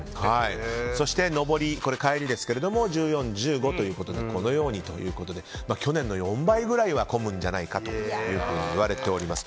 そして上り、帰りですが１４、１５ということでこのように去年の４倍ぐらいは混むんじゃないかといわれております。